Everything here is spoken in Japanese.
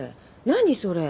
何それ？